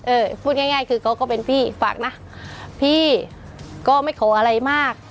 พูดง่ายง่ายคือเขาก็เป็นพี่ฝากนะพี่ก็ไม่ขออะไรมาก